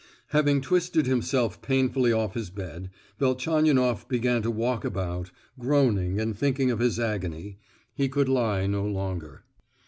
Having twisted himself painfully off his bed, Velchaninoff began to walk about, groaning and thinking of his agony; he could lie no longer.